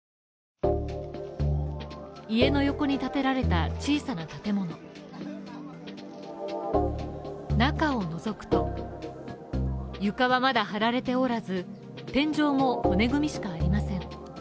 家の横に建てられた小さな建物中をのぞくと、床はまだ張られておらず、天井も骨組みしかありません。